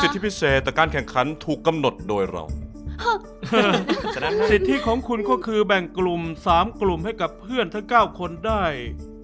ถูกกำหนดโดยเราสิทธิของคุณก็คือแบ่งกลุ่มสามกลุ่มให้กับเพื่อนทั้งเก้าคนได้